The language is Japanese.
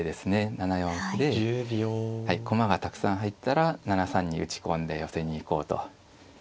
７四歩で駒がたくさん入ったら７三に打ち込んで寄せに行こうと。